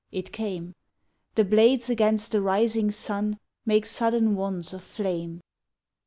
"it came. The blades against the rising sun Make sudden wands of flame.